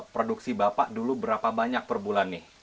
produksi bapak dulu berapa banyak per bulan nih